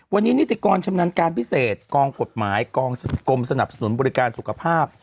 วันนี้นิติกรชำนาญการพิเศษกองกฎหมายกองกรมสนับสนุนบริการสุขภาพ